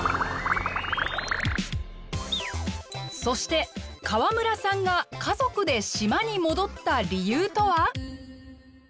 そして河村さんが家族で島に戻った理由とは？